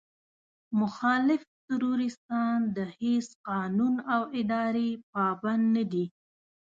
مخالف تروريستان د هېڅ قانون او ادارې پابند نه دي.